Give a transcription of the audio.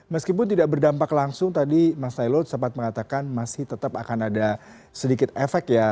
meskipun tidak berdampak langsung tadi mas sailud sempat mengatakan masih tetap akan ada sedikit efek ya